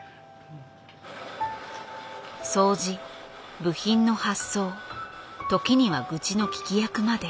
掃除部品の発送時には愚痴の聞き役まで。